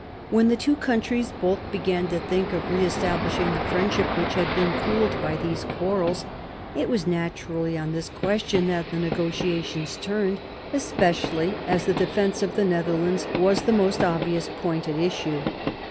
When the two countries both began to think of re establishing the friendship which had been cooled by these quarrels, it was naturally on this question that the negotiations turned, especially as the defence of the Netherlands was the most obvious point at issue.